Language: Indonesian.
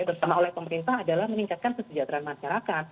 jadi yang diperlukan oleh pemerintah adalah meningkatkan kesejahteraan masyarakat